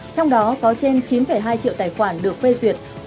trong đó có trên chín hai triệu tài khoản được phê duyệt